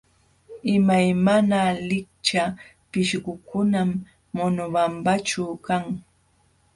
Imaymana lichka pishqukunam Monobambaćhu kan.